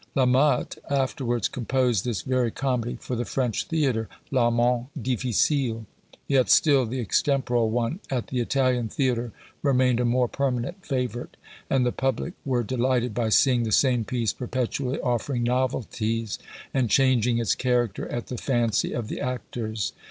La Motte afterwards composed this very comedy for the French theatre, L'Amante difficile, yet still the extemporal one at the Italian theatre remained a more permanent favourite; and the public were delighted by seeing the same piece perpetually offering novelties and changing its character at the fancy of the actors.